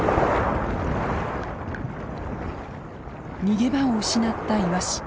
逃げ場を失ったイワシ。